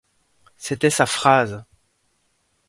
C’était sa phrase.